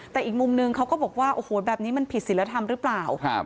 แต่อีกมุมนึงเขาก็บอกว่าโอ้โหแบบนี้มันผิดศิลธรรมหรือเปล่า